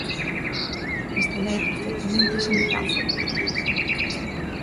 Esta lei é perfectamente esa metáfora.